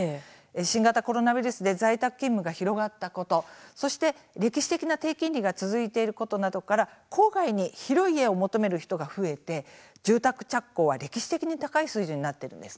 新型コロナウイルスで在宅勤務が広がったことそして歴史的な低金利が続いていることなどから郊外に広い家を求める人が増えて住宅着工は歴史的に高い水準になっています。